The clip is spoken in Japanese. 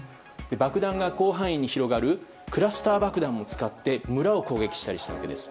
爆発が広範囲に広がるクラスター爆弾を使って村を攻撃したりしたわけです。